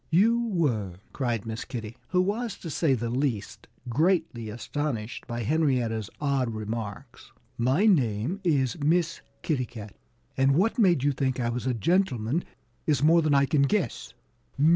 "You were!" cried Miss Kitty, who was to say the least greatly astonished by Henrietta's odd remarks. "My name is Miss Kitty Cat. And what made you think I was a gentleman is more than I can guess."